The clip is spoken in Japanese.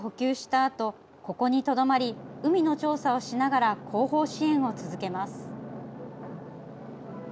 あとここにとどまり、海の調査をしながら後方支援を続けます。